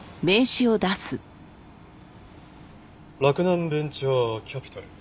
洛南ベンチャーキャピタル？